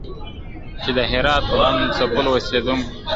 چي د هرات غم ځپلو اوسېدونکو ته !.